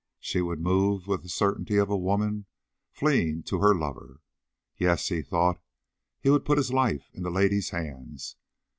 She would move with the certainty of a woman fleeing to her lover. Yes, he thought, he would put his life in the lady's hands.